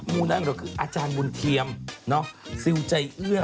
มูลนั้นก็คืออาจารย์มุนเทียมซิวใจเอื้อ